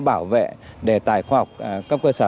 bảo vệ đề tài khoa học cấp cơ sở